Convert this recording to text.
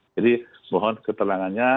jadi mohon ketenangannya